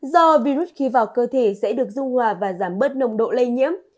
do virus khi vào cơ thể sẽ được dung hòa và giảm bớt nồng độ lây nhiễm